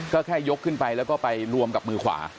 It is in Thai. ก็แค่ยกขึ้นไปแล้วก็ไปรวมกับมือขวา